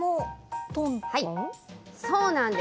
そうなんです。